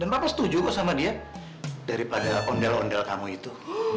bapak setuju kok sama dia daripada ondel ondel kamu itu